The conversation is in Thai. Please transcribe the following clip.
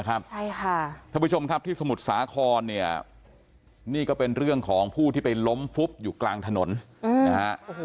ท่านผู้ชมครับที่สมุทรสาครเนี่ยนี่ก็เป็นเรื่องของผู้ที่ไปล้มฟุบอยู่กลางถนนนะฮะ